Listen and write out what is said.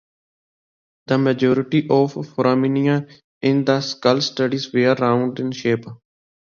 The majority of the foramina in the skull studies were round in shape.